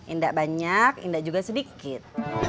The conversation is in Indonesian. indah banyak indah juga sedikit